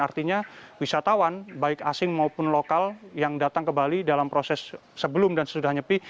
artinya wisatawan baik asing maupun lokal yang datang ke bali dalam proses sebelum dan sesudah nyepi